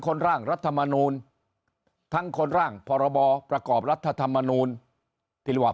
คนร่างรัฐมนุนทั้งคนร่างพรบประกอบรัฐธรรมนุนที่ว่า